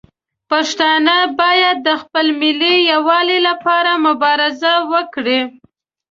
پښتانه باید د خپل ملي یووالي لپاره مبارزه وکړي.